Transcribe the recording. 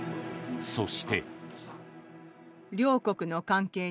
そして。